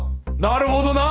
なるほどな！